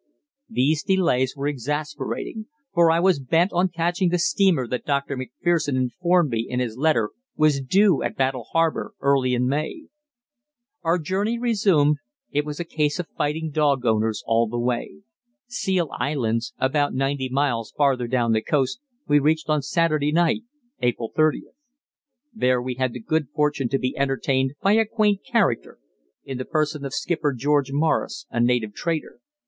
These delays were exasperating, for I was bent on catching the steamer that Dr. Macpherson informed me in his letter was due at Battle Harbour early in May. Our journey resumed, it was a case of fighting dog owners all the way. Seal Islands, about ninety miles farther down the coast, we reached on Saturday night, April 30th. There we had the good fortune to be entertained by a quaint character in the person of Skipper George Morris, a native trader.